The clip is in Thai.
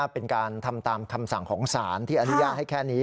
เป็นการทำตามคำสั่งของศาลที่อนุญาตให้แค่นี้